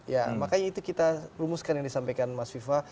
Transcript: ya makanya itu kita rumuskan yang disampaikan mas viva